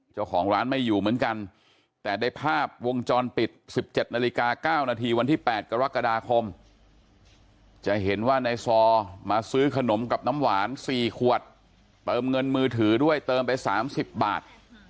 จะเห็นว่าในซอมาซื้อขนมกับน้ำหวานสี่ขวดเติมเงินมือถือด้วยเติมไปสามสิบบาท